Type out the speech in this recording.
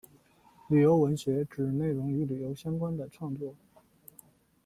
旅游文学指内容与旅游相关的创作。